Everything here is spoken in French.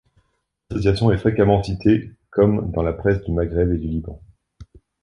L'association est fréquemment citée comme dans la presse du Maghreb et du Liban.